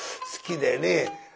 好きでね。